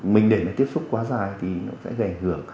mình để tiếp xúc quá dài thì nó sẽ gây ảnh hưởng